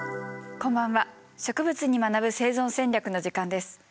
こんばんは「植物に学ぶ生存戦略」の時間です。